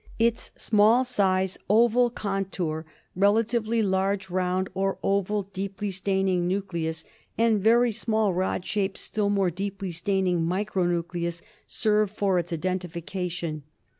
Its small size, oval contour, relatively large, round or oval, deeply staining nucleus, and very small, rod shaped, still more deeply staining micro nucleus, serve for its identification.